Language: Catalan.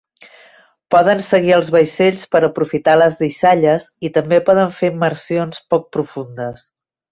Poden seguir els vaixells per aprofitar les deixalles i també poden fer immersions poc profundes.